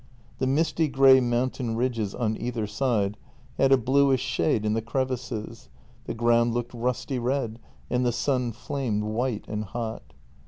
The misty grey mountains ridges on either side had a bluish shade in the crevices, the ground looked rusty red, and the sun flamed white and hot.